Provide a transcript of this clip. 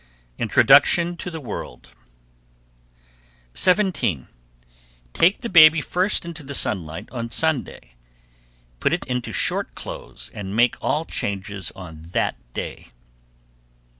_ INTRODUCTION TO THE WORLD. 17. Take the baby first into the sunlight on Sunday. Put it into short clothes and make all changes on that day.